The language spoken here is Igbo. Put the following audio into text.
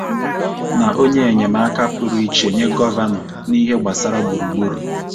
na onye enyemaka pụrụ iche nye Gọvanọ n'ihe gbasaara gburugburu